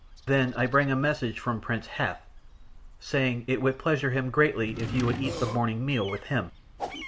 "Then I bring a message from Prince Hath, saying it would pleasure him greatly if you would eat the morning meal with him."